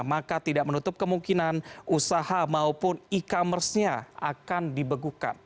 maka tidak menutup kemungkinan usaha maupun e commerce nya akan dibegukan